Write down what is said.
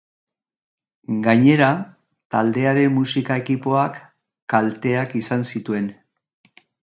Gainera, taldearen musika-ekipoak kalteak izan zituen.